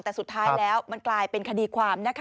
แต่สุดท้ายแล้วมันกลายเป็นคดีความนะคะ